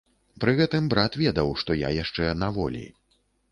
Пры гэтым брат ведаў, што я яшчэ на волі.